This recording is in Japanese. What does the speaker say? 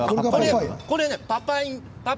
これパパイア